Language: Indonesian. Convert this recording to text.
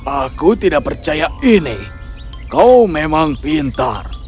aku tidak percaya ini kau memang pintar